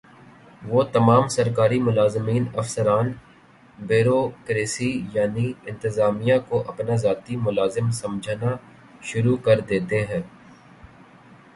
وہ تمام سرکاری ملازمین افسران بیورو کریسی یعنی انتظامیہ کو اپنا ذاتی ملازم سمجھنا شروع کر دیتے ہیں ۔